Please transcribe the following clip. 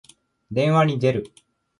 電話に出る。